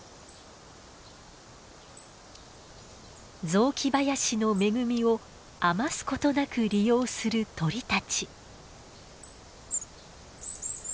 雑木林の恵みを余すことなく利用する鳥たち。